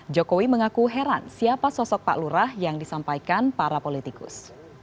jokowi mengaku heran siapa sosok pak lurah yang disampaikan para politikus